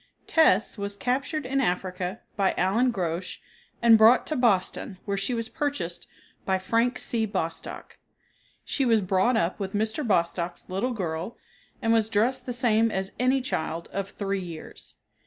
"Tess" was captured in Africa by Allan Grosch and brought to Boston, where she was purchased by Frank C. Bostock. She was brought up with Mr. Bostock's little girl and was dressed the same as any child of three years.